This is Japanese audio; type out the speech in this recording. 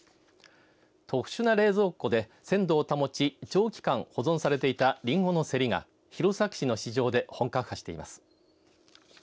特殊な冷蔵庫で鮮度を保ち長期間保存されていたりんごの競りが弘前市の市場で本格化しています。